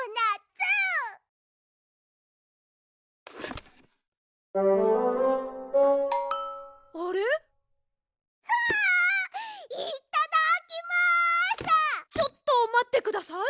ちょっとまってください！